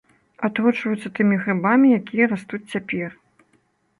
Атручваюцца тымі грыбамі, якія растуць цяпер.